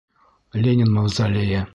Ленин мавзолейе...